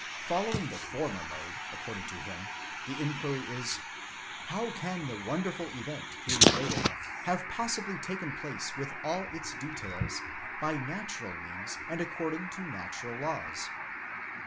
Following the former mode, according to him, the inquiry is: how can the wonderful event here related have possibly taken place with all its details by natural means and according to natural laws?